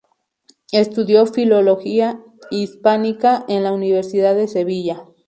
Estudió filología hispánica en la Universidad de Sevilla.